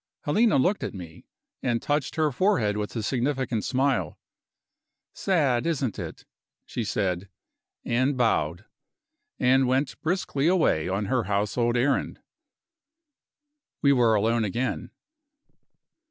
Helena looked at me, and touched her forehead with a significant smile. "Sad, isn't it?" she said and bowed, and went briskly away on her household errand. We were alone again.